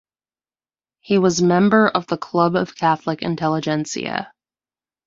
He was member of the Club of Catholic Intelligentsia.